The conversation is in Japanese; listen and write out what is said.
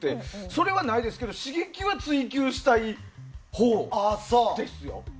それは、ないですが刺激は追及したいほうですよ。